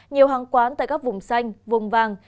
nhiều hàng quán tại các vùng xanh vùng vàng